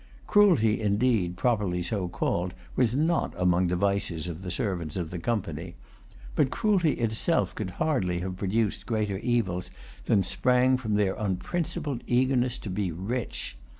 Cruelty, indeed, properly so called, was not among the vices of the servants of the Company. But cruelty itself could hardly have produced greater evils than sprang from their unprincipled eagerness to be rich.